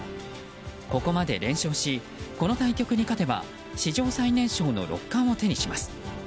ここまで連勝しこの対局に勝てば史上最年少の六冠を手にします。